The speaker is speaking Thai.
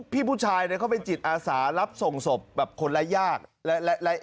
พี่ผู้ชายเนี่ยเขาเป็นจิตอาสารับส่งศพแบบคนละยาก